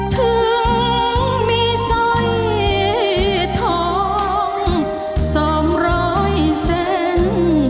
ถึงมีสร้อยทองสองร้อยเส้น